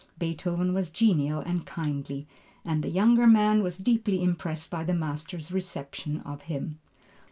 Beethoven was genial and kindly, and the younger man was deeply impressed by the master's reception of him.